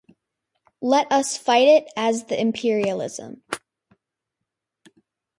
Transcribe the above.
Let us fight it as the imperialism.